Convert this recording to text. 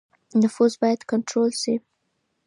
نفوس بايد کنټرول سي.